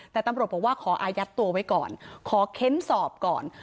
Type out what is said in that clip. แต่ตำรวจบอกว่าขออายัดตัวไว้ก่อนขอเค้นสอบก่อน